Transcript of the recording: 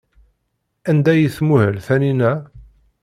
Anda ay tmuhel Taninna?